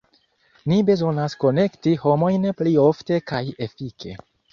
Ni bezonas konekti homojn pli ofte kaj efike.